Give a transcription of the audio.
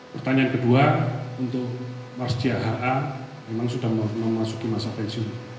pertanyaan kedua untuk mars jlha memang sudah memasuki masa pensiun